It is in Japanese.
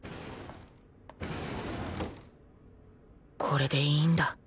これでいいんだ